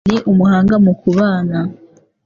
Ni umuhanga mu kubana.